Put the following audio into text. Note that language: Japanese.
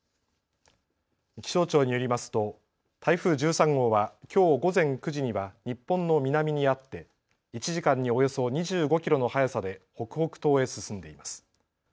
気象庁によりますと台風１３号はきょう午前９時には日本の南にあって１時間におよそ２５キロの速さで北北東へ進んでいます。